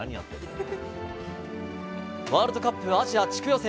ワールドカップアジア地区予選。